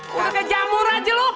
udah kejamur aja lu